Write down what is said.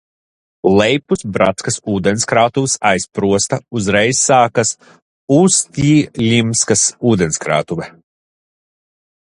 Lejpus Bratskas ūdenskrātuves aizsprosta uzreiz sākas Ustjiļimskas ūdenskrātuve.